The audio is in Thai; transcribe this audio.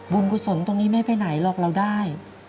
บุญผู้สนตรงนี้ไม่ไปไหนหรอกเราได้